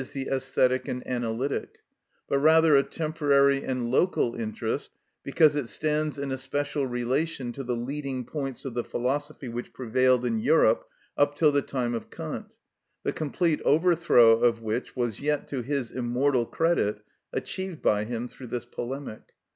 _, the æsthetic and analytic; but rather a temporary and local interest, because it stands in a special relation to the leading points of the philosophy which prevailed in Europe up till the time of Kant, the complete overthrow of which was yet, to his immortal credit, achieved by him through this polemic.